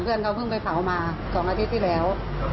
เพื่อนเขาเพิ่งไปเผามา๒อาทิตย์ที่แล้ว